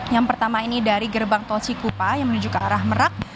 yang pertama ini dari gerbang tol cikupa yang menuju ke arah merak